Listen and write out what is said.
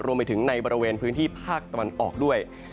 รวมไปถึงในบริเวณพื้นที่ภาคตะวันออกด้วย